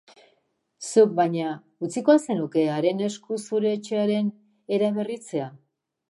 Zuk, baina, utziko al zenuke haren esku zure etxearen eraberritzea?